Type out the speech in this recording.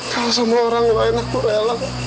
kalau semua orang lain aku rela